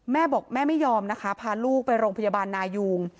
แม่บอกแม่ไม่ยอมนะคะพาลูกไปโรงพยาบาลนายุง